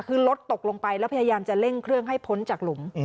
คือรถตกลงไปแล้วพยายามจะเร่งเครื่องให้พ้นจากหลุม